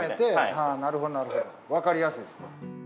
なるほどなるほどわかりやすいです。